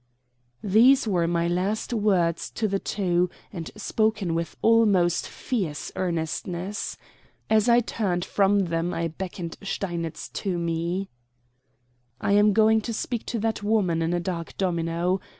These were my last words to the two, and spoken with almost fierce earnestness. As I turned from them I beckoned Steinitz to me. "I am going to speak to that woman in a dark domino.